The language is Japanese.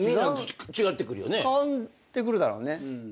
変わってくるだろうね。